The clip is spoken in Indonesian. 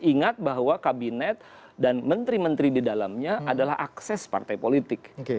ingat bahwa kabinet dan menteri menteri di dalamnya adalah akses partai politik